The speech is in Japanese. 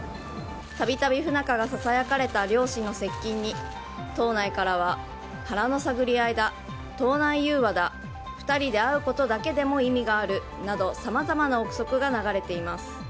度々、不仲がささやかれた両氏の接近に党内からは腹の探り合いだ、党内融和だ２人で会うことだけでも意味があるなどさまざまな憶測が流れています。